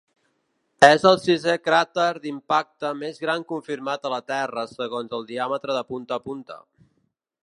És el sisè cràter d'impacte més gran confirmat a la Terra segons el diàmetre de punta a punta.